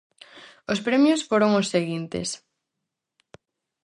Os premios foron os seguintes: